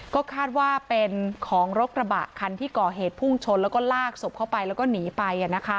ก็คาดว่าเป็นของรถกระบะคันที่ก่อเหตุพุ่งชนแล้วก็ลากศพเข้าไปแล้วก็หนีไป